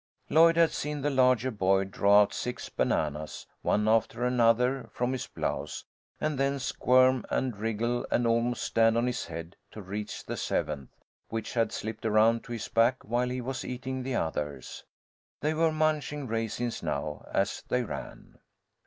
Lloyd had seen the larger boy draw out six bananas, one after another, from his blouse, and then squirm and wriggle and almost stand on his head to reach the seventh, which had slipped around to his back while he was eating the others. They were munching raisins now, as they ran.